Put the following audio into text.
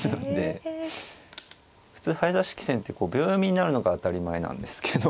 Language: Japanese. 普通早指し棋戦って秒読みになるのが当たり前なんですけど。